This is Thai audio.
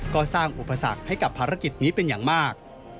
ก็สร้างอุปสรรคให้กับภารกิจนี้เป็นอย่างมาก